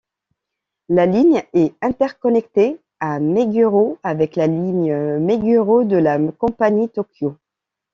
La ligne est interconnectée à Meguro avec la ligne Meguro de la compagnie Tōkyū.